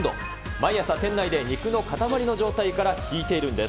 毎朝、店内で肉の塊の状態からひいているんです。